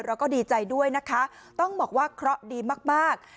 เราก็ดีใจด้วยนะคะต้องบอกว่าเคราะห์ดีมาก